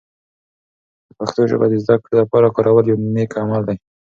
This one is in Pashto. د پښتو ژبه د زده کړې لپاره کارول یوه نیک عمل دی.